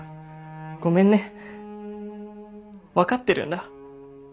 ごめんね。分かってるんだ。